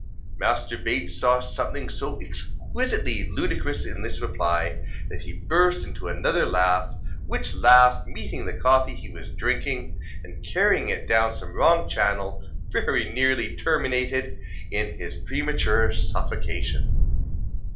Master Bates saw something so exquisitely ludicrous in this reply, that he burst into another laugh; which laugh, meeting the coffee he was drinking, and carrying it down some wrong channel, very nearly terminated in his premature suffocation.